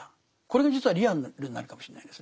これが実はリアルになるかもしれないですね。